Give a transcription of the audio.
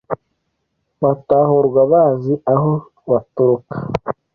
batahurwa bazi aho baturuka